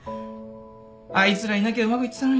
あいつらいなきゃうまくいってたのに。